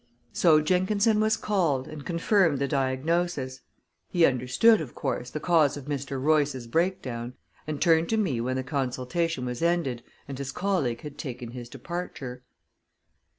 So Jenkinson was called, and confirmed the diagnosis. He understood, of course, the cause of Mr. Royce's breakdown, and turned to me when the consultation was ended, and his colleague had taken his departure.